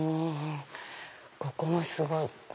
ここもすごい。